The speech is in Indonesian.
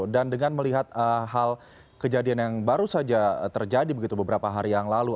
dan dengan melihat hal kejadian yang baru saja terjadi beberapa hari yang lalu